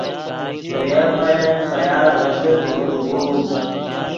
ترے یف ملن فیاض غیݰے دروڤدے غوز